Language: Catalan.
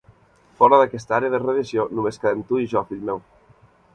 Fora d'aquesta àrea de radiació només quedem tu i jo, fill meu.